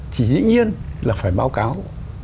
chỉ dĩ nhiên là phải báo cáo